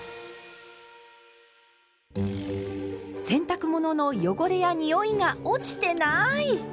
洗濯物の汚れやにおいが落ちてない！